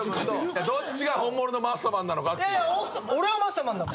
どっちが本物のマッサマンなのか？